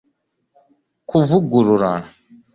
kuvugurura